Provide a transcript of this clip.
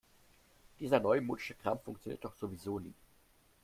Dieser neumodische Kram funktioniert doch sowieso nie.